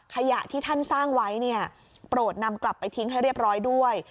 ขยะที่ท่านสร้างไว้เนี่ยโปรดนำกลับไปทิ้งให้เรียบร้อยด้วย